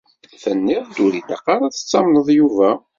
Tenniḍ-d ur ilaq ara ad tettamneḍ Yuba?